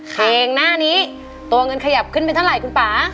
เพลงหน้านี้ตัวเงินขยับขึ้นไปเท่าไหร่คุณป่า